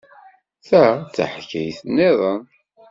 Ta d taḥkayt niḍen.